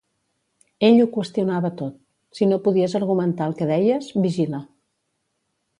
Ell ho qüestionava tot. Si no podies argumentar el que deies, vigila.